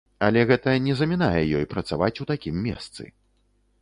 Але гэта не замінае ёй працаваць у такім месцы!